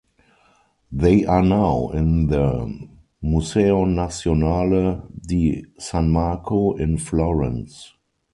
They are now in the Museo nazionale di San Marco in Florence.